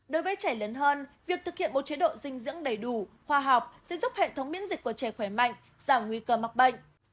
đối với trẻ lớn hơn việc thực hiện một chế độ dinh dưỡng đầy đủ khoa học sẽ giúp hệ thống miễn dịch của trẻ khỏe mạnh giảm nguy cơ mắc bệnh